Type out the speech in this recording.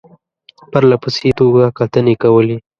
پرله پسې توګه کتنې کولې.